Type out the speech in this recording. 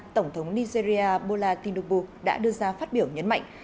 tổng thống nigeria bola tindubu đã đưa ra phát biểu nhấn mạnh